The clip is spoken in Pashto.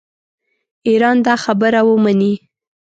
ایران دا خبره ومني.